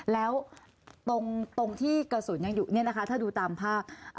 แล้วตรงที่กระสุนยังอยู่เนี่ยนะคะถ้าดูตามภาพ